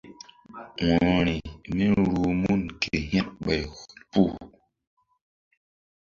Wo̧rori míruh mun ke hȩk ɓay hɔl puh.